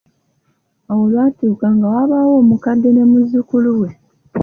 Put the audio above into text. Awo lwatuuka nga wabaawo omukadde ne muzzukulu we.